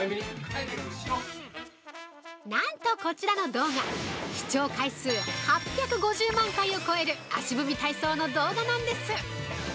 なんと、こちらの動画、視聴回数８５０万回を超える「足踏み体操」の動画なんです！